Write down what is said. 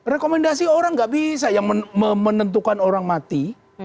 rekomendasi orang nggak bisa yang menentukan orang mati